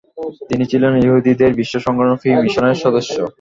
তিনি ছিলেন ইহুদিদের বিশ্ব সংগঠন ফ্রি মিশনের সদস্য।